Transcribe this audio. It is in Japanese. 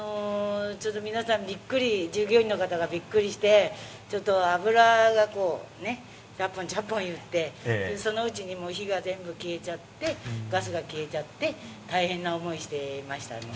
皆さんびっくり従業員の方がびっくりして油がチャポンチャポンいってそのうちに火が全部消えちゃってガスが消えちゃって大変な思いをしてましたね。